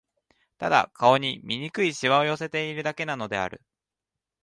ただ、顔に醜い皺を寄せているだけなのである